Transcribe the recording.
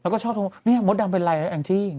แล้วก็ชอบโทรเนี่ยมดดำเป็นอะไรแองจี้